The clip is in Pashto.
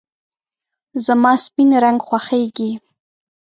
زما سپین رنګ خوښېږي .